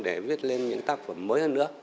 để viết lên những tác phẩm mới hơn nữa